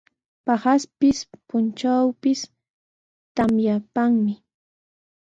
Paqaspis, puntrawpis tamyaykanmi.